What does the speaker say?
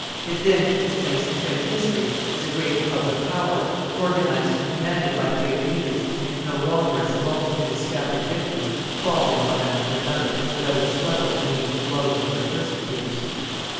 It then took its place in French history as a great public power, organized and commanded by great leaders, and no longer as a multitude of scattered victims falling one after another, without a struggle, beneath the blows of their persecutors.